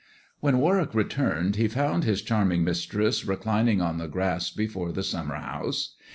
When Warwick returned he found his charming mistrese reclining on the grass before the summer house.